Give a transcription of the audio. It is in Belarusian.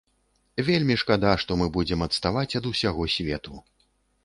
Вельмі шкада, што мы будзем адставаць ад усяго свету.